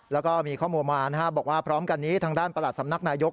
แล้วก็มีข้อมูลมาบอกว่าพร้อมกันนี้ทางด้านประหลัดสำนักนายก